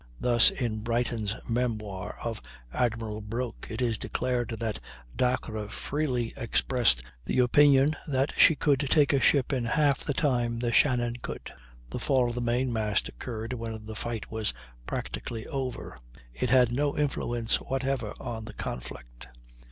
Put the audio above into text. Thus, in Brighton's "Memoir of Admiral Broke," it is declared that Dacres freely expressed the opinion that she could take a ship in half the time the Shannon could. The fall of the main mast occurred when the fight was practically over; it had no influence whatever on the conflict.